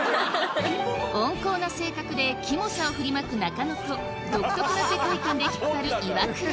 温厚な性格でキモさを振りまく中野と独特な世界観でひっぱるイワクラ